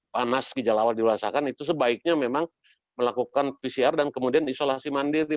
panas gejala awal dirasakan itu sebaiknya memang melakukan pcr dan kemudian isolasi mandiri